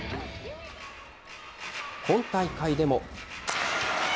今大会でも。